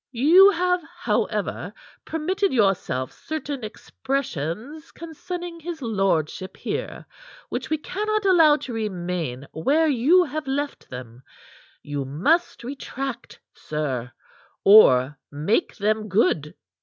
You have, however, permitted yourself certain expressions concerning his lordship here, which we cannot allow to remain where you have left them. You must retract, sir, or make them good."